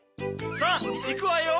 さぁいくわよ！